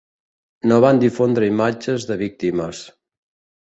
No van difondre imatges de víctimes.